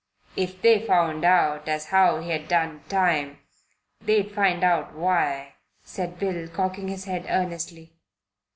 "If they found out as how he'd done time, they'd find out for why," said Bill, cocking his head earnestly.